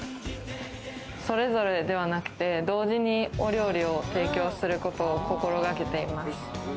それぞれではなくて同時にお料理を提供することを心がけています。